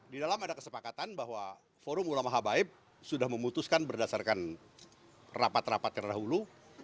di dalam ada kesepakatan bahwa forum ulama habaib sudah memutuskan berdasarkan rapat rapat yang terdahulu